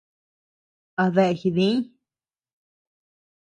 ¿A dea jidiñʼ.